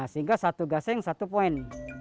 sehingga satu gasing satu poin